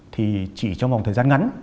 thì chỉ trong vòng thời gian ngắn